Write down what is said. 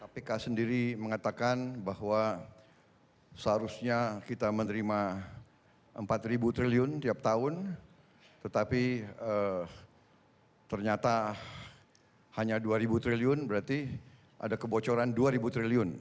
kpk sendiri mengatakan bahwa seharusnya kita menerima rp empat triliun tiap tahun tetapi ternyata hanya dua triliun berarti ada kebocoran dua ribu triliun